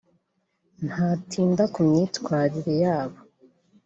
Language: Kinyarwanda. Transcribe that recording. ntatinda ku myitwarire yabo